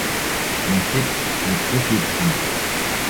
Нисек ҡайтып еттең?